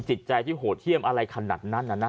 ชาวบ้านญาติโปรดแค้นไปดูภาพบรรยากาศขณะ